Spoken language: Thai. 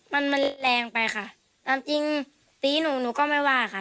มันมันแรงไปค่ะความจริงตีหนูหนูก็ไม่ว่าค่ะ